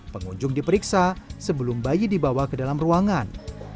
pengunjung diperiksa sebelum bayi dibawa ke dalam ruangan